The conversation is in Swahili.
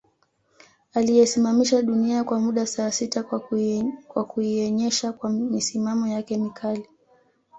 Aliyesimamisha dunia kwa muda saa sita kwa kuienyesha kwa misimamo yake mikali